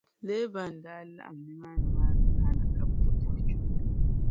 Leeban daa laɣim nimaaninim’ zaa na ka bɛ ti puhi chuɣu.